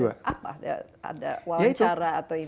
apa ada wawancara atau ini